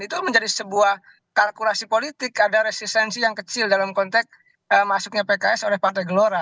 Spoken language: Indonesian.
itu menjadi sebuah kalkulasi politik ada resistensi yang kecil dalam konteks masuknya pks oleh partai gelora